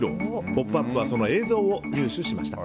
「ポップＵＰ！」はその映像を入手しました。